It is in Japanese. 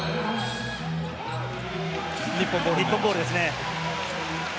日本ボールですね。